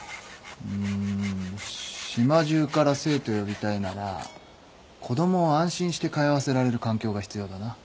うん島中から生徒呼びたいなら子供を安心して通わせられる環境が必要だな。